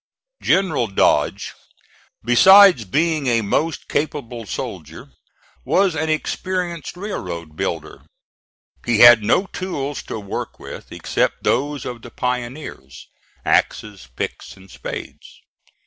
General Dodge, besides being a most capable soldier, was an experienced railroad builder. He had no tools to work with except those of the pioneers axes, picks, and spades.